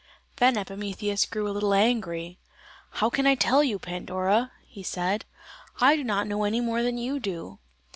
Then Epimetheus grew a little angry. "How can I tell you, Pandora?" he said, "I do not know any more than you do."